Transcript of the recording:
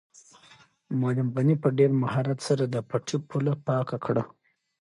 معلم غني په ډېر مهارت سره د پټي پوله پاکه کړه.